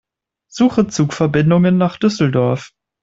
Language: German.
Suche Zugverbindungen nach Düsseldorf.